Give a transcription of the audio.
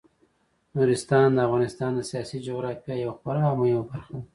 نورستان د افغانستان د سیاسي جغرافیې یوه خورا مهمه برخه ده.